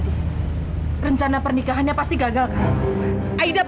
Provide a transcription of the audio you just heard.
dan dari anggota kota